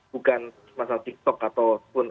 bukan masalah tiktok ataupun